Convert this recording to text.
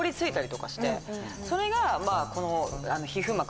それがこの。